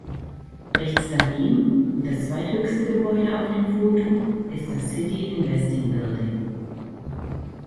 Rechts daneben, und das zweithöchste Gebäude auf dem Foto, ist das City Investing Building.